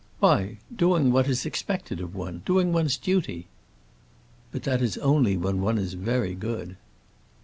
"Why, doing what is expected of one. Doing one's duty." "But that is only when one is very good."